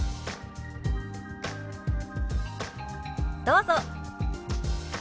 どうぞ。